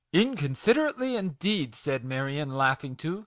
" Inconsiderately, indeed," said Marion, laughing too.